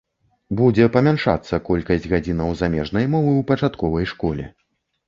Будзе памяншацца колькасць гадзінаў замежнай мовы ў пачатковай школе.